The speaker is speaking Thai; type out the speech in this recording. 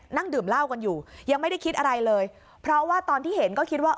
นั่งดื่มเหล้ากันอยู่ยังไม่ได้คิดอะไรเลยเพราะว่าตอนที่เห็นก็คิดว่า